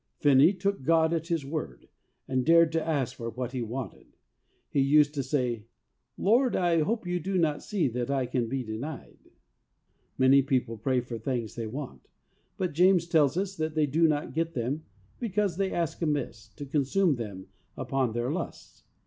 Finney took God at His word, and dared to ask for what he wanted. He used to say, ' Lord, I hope you do not see that I can be denied.' Many people pray for things they want ; but James tells us that they do not get them because they ask amiss, to consume them upon their lusts.